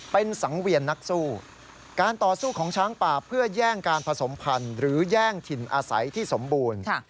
เป็นสังเวียนนักสู้การต่อสู้ของช้างป่าเพื่อแย่งการผสมพันธุ์หรือแย่งถิ่นอาศัยที่สมบูรณ์